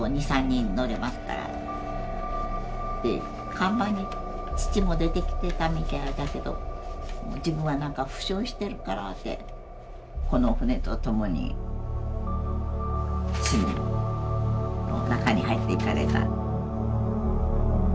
甲板に父も出てきてたみたいだけどもう自分は何か負傷してるからって中に入っていかれたって。